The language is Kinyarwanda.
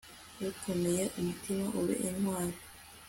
ukomeze umutima, ube intwari